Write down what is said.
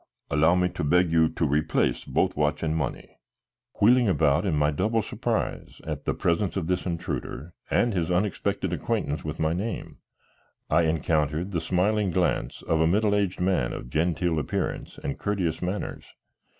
Allow me to beg you to replace both watch and money." Wheeling about in my double surprise at the presence of this intruder and his unexpected acquaintance with my name, I encountered the smiling glance of a middle aged man of genteel appearance and courteous manners.